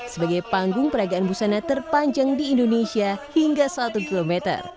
sebagai panggung peragaan busana terpanjang di indonesia hingga satu km